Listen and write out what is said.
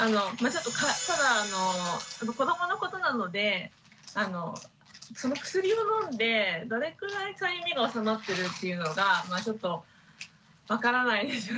子どものことなのでその薬を飲んでどれくらいかゆみが治まってるっていうのがちょっと分からないですよね。